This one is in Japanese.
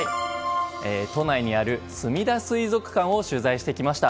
都内にあるすみだ水族館を取材してきました。